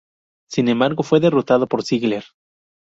Sin embargo fue derrotado por Ziggler.